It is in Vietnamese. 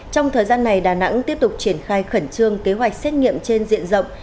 trong thời gian này đà nẵng tiếp tục triển khai khẩn trương kế hoạch xét nghiệm trên diện rộng